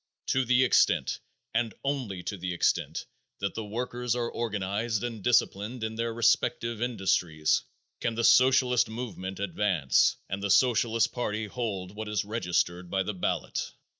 To the extent, and only to the extent, that the workers are organized and disciplined in their respective industries can the Socialist movement advance and the Socialist party hold what is registered by the ballot.